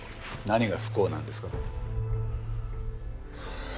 何が不幸なんですか？